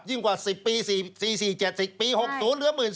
ยิ่งกว่า๑๐ปี๔๔๗๐ปี๖๐เหลือ๑๒๐๐๐